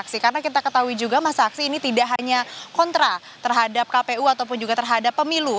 karena kita ketahui juga masa aksi ini tidak hanya kontra terhadap kpu ataupun juga terhadap pemilu